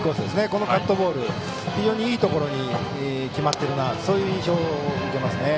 このカットボールが非常にいいところに決まっている印象を持ちますね。